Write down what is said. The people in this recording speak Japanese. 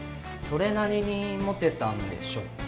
それなりにモテたんでしょ？